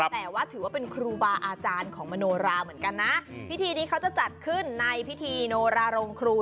แต่ว่าถือว่าเป็นครูบาอาจารย์ของมโนราเหมือนกันนะพิธีนี้เขาจะจัดขึ้นในพิธีโนราโรงครู